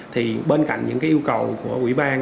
thì bên cạnh những cái yêu cầu của quỹ ban